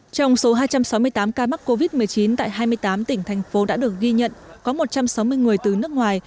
trong số hai trăm sáu mươi tám ca mắc covid một mươi chín tại hai mươi tám tỉnh thành phố đã được ghi nhận có một trăm sáu mươi người từ nước ngoài